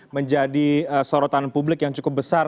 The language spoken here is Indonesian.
menjadi sorotan publik yang cukup besar